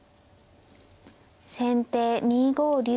先手２五竜。